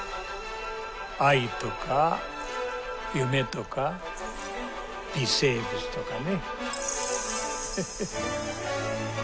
愛とか夢とか微生物とかね。